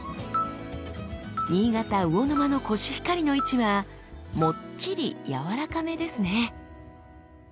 新潟・魚沼のコシヒカリの位置はもっちりやわらかめですね。